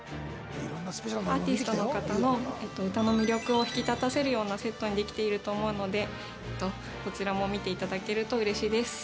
アーティストの方の歌の魅力を引き立たせるようなセットにできていると思うのでこちらも見ていただけるとうれしいです。